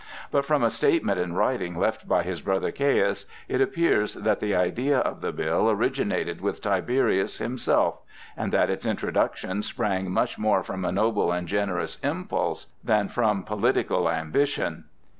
But from a statement in writing left by his brother Caius, it appears that the idea of the bill originated with Tiberius himself, and that its introduction sprang much more from a noble and generous impulse than from political ambition.